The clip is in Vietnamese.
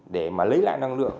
để mà lấy lại năng lượng